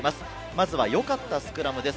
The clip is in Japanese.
まずは良かったスクラムです。